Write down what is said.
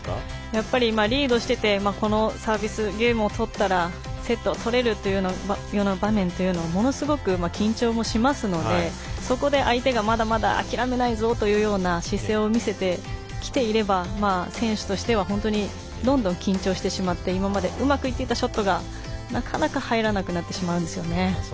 やっぱりリードしていてこのサービスゲームを取ったらセット取れるというような場面はものすごく緊張もしますのでそこで相手がまだまだ諦めないぞ！というような姿勢を見せてきていれば選手としてはどんどん緊張してしまって今までうまくいっていたショットが、なかなかうまくいかなくなるんですよね。